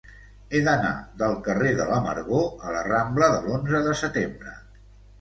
He d'anar del carrer de l'Amargor a la rambla de l'Onze de Setembre.